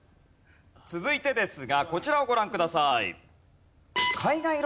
続いてですがこちらをご覧ください。